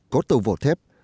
có tàu vỏ thép